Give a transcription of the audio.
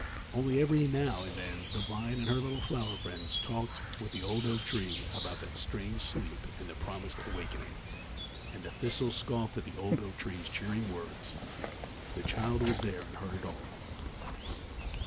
Only every now and then the vine and her little flower friends talked with the old oak tree about that strange sleep and the promised awakening, and the thistle scoffed at the old oak tree's cheering words. The child was there and heard it all.